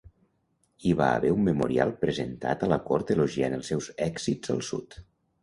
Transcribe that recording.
Hi va haver un memorial presentat a la cort elogiant els seus èxits al sud.